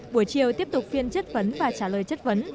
buổi chiều tiếp tục phiên chất vấn và trả lời chất vấn